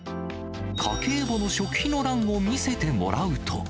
家計簿の食費の欄を見せてもらうと。